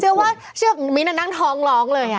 เสื้อว่าเชื่อมีน่าน่างท้องร้องเลยอ่ะ